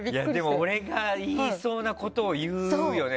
俺が言いそうなことを言うよね。